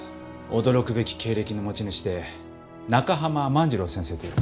驚くべき経歴の持ち主で中濱万次郎先生という。